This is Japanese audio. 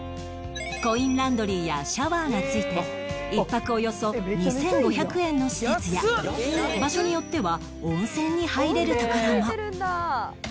コインランドリーやシャワーがついて１泊およそ２５００円の施設や場所によっては温泉に入れる所も